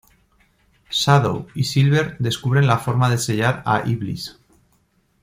Shadow y Silver descubren la forma de sellar a Iblis.